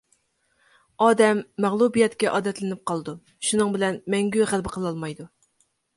ئادەم مەغلۇبىيەتكە ئادەتلىنىپ قالىدۇ، شۇنىڭ بىلەن مەڭگۈ غەلىبە قىلالمايدۇ.